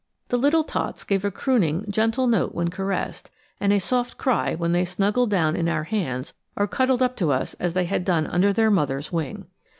The little tots gave a crooning gentle note when caressed, and a soft cry when they snuggled down in our hands or cuddled up to us as they had done under their mother's wing.